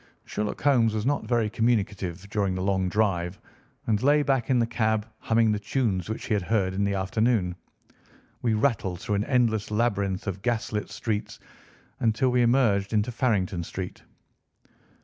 Sherlock Holmes was not very communicative during the long drive and lay back in the cab humming the tunes which he had heard in the afternoon. We rattled through an endless labyrinth of gas lit streets until we emerged into Farrington Street.